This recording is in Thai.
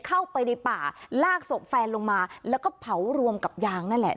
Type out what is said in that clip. เข้าไปในป่าลากศพแฟนลงมาแล้วก็เผารวมกับยางนั่นแหละ